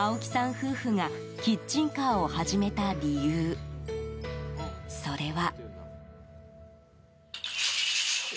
夫婦がキッチンカーを始めた理由それは。